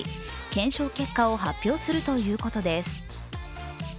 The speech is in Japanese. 検証結果を発表するということです。